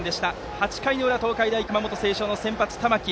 ８回の裏、東海大熊本星翔先発の玉木。